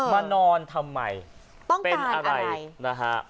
มานอนทำไมต้องตายอะไรเป็นอะไรนะฮะ